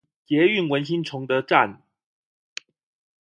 捷運文心崇德站